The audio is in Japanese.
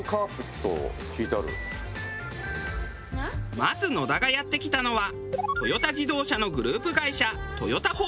まず野田がやって来たのはトヨタ自動車のグループ会社。